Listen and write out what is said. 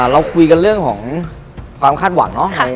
เราคุยกันเรื่องของความคาดหวังเนาะ